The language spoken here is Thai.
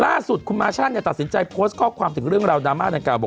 ล่าสุดคุณมาชันตัดสินใจโพสต์ข้อความถึงเรื่องราวดราม่าดังกล่าบอก